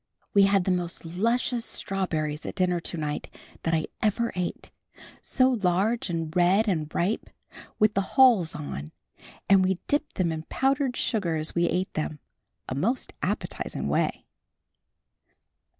We had the most luscious strawberries at dinner to night, that I ever ate. So large and red and ripe, with the hulls on and we dipped them in powdered sugar as we ate them, a most appetizing way.